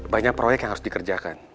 banyak proyek yang harus dikerjakan